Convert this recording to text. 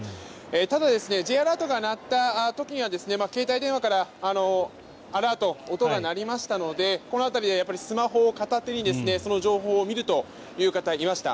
ただ、Ｊアラートが鳴った時には携帯電話からアラート、音が鳴りましたのでこの辺りでスマホを片手にその情報を見るという方がいました。